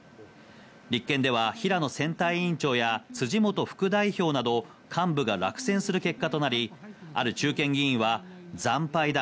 立憲では平野選対委員長や辻元副代表など、幹部が落選する結果となり、ある中堅議員は、惨敗だ。